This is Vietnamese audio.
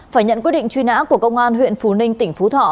phải nhận quyết định truy nã của công an huyện phú ninh tỉnh phú thọ